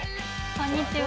こんにちは。